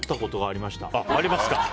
ありますか。